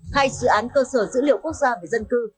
thay dự án cơ sở dữ liệu quốc gia về dân cư